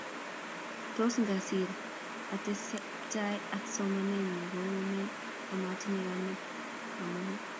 Tos ngasir atesetai ak somanenyu kou ne amatinye kamenyu kamuket.